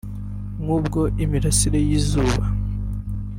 nk’ubw’imirasire y’izuba